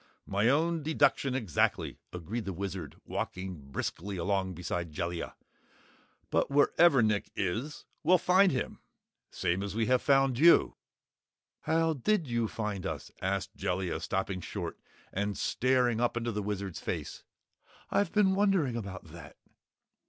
"My own deduction, exactly," agreed the Wizard walking briskly along beside Jellia. "But wherever Nick is, we'll find him same as we have found you." "How did you find us?" asked Jellia, stopping short and staring up into the Wizard's face. "I've been wondering about that."